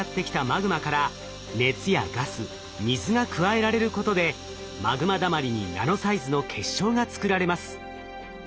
マグマから熱やガス水が加えられることでマグマだまりにナノサイズの結晶が作られます。